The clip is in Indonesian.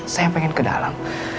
saya pengen ke dalam